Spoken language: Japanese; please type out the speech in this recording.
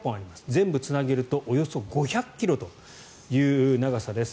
全部つなげるとおよそ５００ｋｍという長さです。